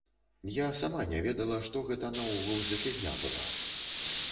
Я сама не ведала, што гэта наогул за фігня была.